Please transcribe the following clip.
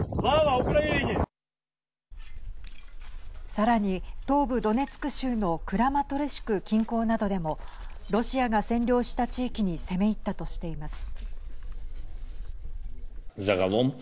さらに、東部ドネツク州のクラマトルシク近郊などでもロシアが占領した地域に攻め入ったとしています。